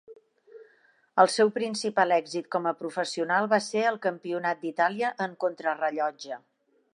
El seu principal èxit com a professional va ser el Campionat d'Itàlia en contrarellotge.